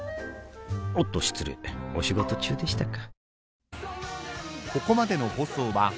おっと失礼お仕事中でしたか